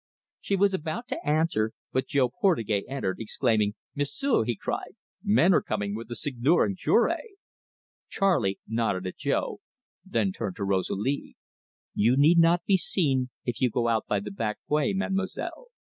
She was about to answer, but Jo Portugais entered, exclaiming. "M'sieu'," he cried, "men are coming with the Seigneur and Cure." Charley nodded at Jo, then turned to Rosalie. "You need not be seen if you go out by the back way, Mademoiselle."